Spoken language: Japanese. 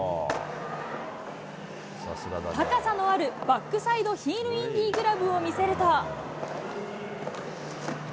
高さのあるバックサイドヒールインディグラブを見せると。